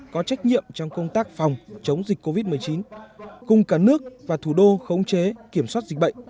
có trách nhiệm trong công tác phòng chống dịch covid một mươi chín cùng cả nước và thủ đô khống chế kiểm soát dịch bệnh